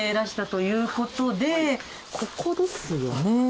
ここですよね。